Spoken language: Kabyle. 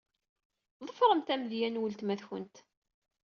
Ḍefremt amedya n weltma-twent.